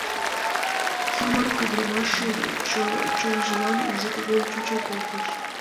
Самырык ӱдрамашын чонжылан изин-кугун чучын колтыш.